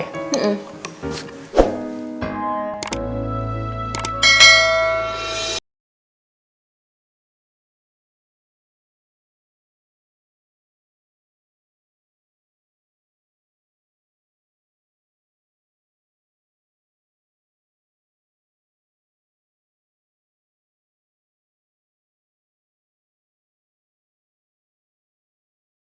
jadi ga apa makasih